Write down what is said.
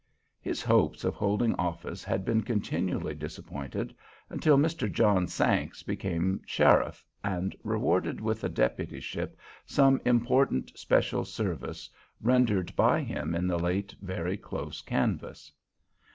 His hopes of holding office had been continually disappointed until Mr. John Sanks became sheriff, and rewarded with a deputyship some important special service rendered by him in the late very close canvass.